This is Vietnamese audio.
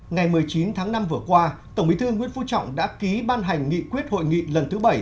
ngày một mươi chín tháng năm vừa qua tổng bí thư nguyễn phú trọng đã ký ban hành nghị quyết hội nghị lần thứ bảy